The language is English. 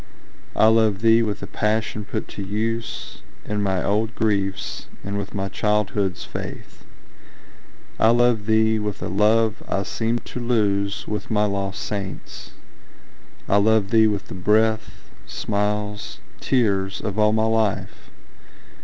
I love thee with the passion put to use In my old griefs, and with my childhood's faith. I love thee with a love I seemed to lose With my lost saints,—I love thee with the breath, Smiles, tears, of all my life!